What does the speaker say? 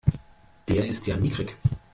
Der ist ja mickrig!